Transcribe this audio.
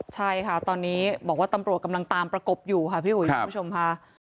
ใช่ค่ะตอนนี้บอกว่าตำรวจกำลังตามประกบอยู่ค่ะพี่อุ๋ยคุณผู้ชมค่ะ